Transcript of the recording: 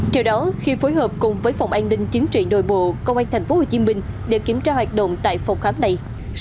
theo đó khi phối hợp cùng với phòng an ninh chính trị nội bộ công an tp hcm để kiểm tra hoạt động tại phòng khám này